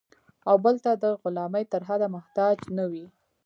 او بل ته د غلامۍ تر حده محتاج نه وي.